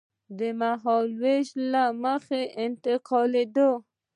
د مهالوېش له مخې انتقالېدل.